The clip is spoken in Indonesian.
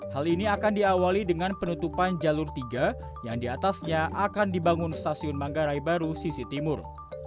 hal ini akan diawali dengan penutupan jalur tiga yang diatasnya akan dibangun stasiun manggarai baru sisi timur